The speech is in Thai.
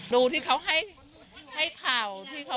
ดูที่เค้าให้ค่าว